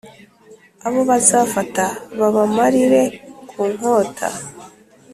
abo bazafata, babamarire ku nkota.